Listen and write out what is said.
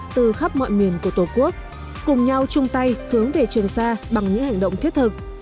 từ khắp mọi miền của tổ quốc cùng nhau chung tay hướng về trường sa bằng những hành động thiết thực